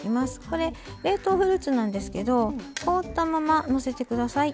これ冷凍フルーツなんですけど凍ったままのせて下さい。